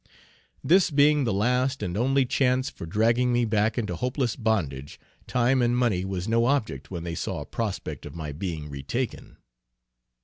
This being the last and only chance for dragging me back into hopeless bondage, time and money was no object when they saw a prospect of my being re taken.